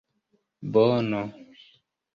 bono